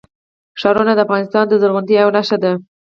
ښارونه د افغانستان د زرغونتیا یوه نښه ده.